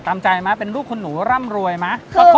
ตามใจไหมเป็นลูกคุณหนูร่ำรวยไหม